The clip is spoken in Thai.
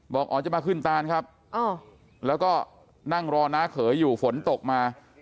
บอกอ๋อจะมาขึ้นตานครับแล้วก็นั่งรอน้าเขยอยู่ฝนตกมา